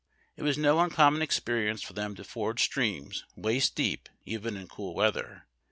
It was no uncommon exjierience for them to ford streams waist deep, even in cool weather.